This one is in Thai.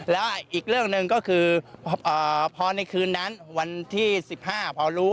แล้วอีกเรื่องหนึ่งก็คือพอในคืนนั้นวันที่๑๕พอรู้